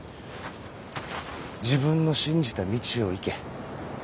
自分の信じた道を行け。